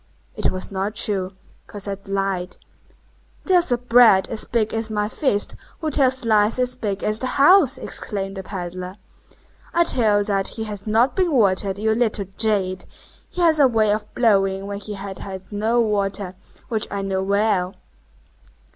It was not true; Cosette lied. "There's a brat as big as my fist who tells lies as big as the house," exclaimed the pedler. "I tell you that he has not been watered, you little jade! He has a way of blowing when he has had no water, which I know well."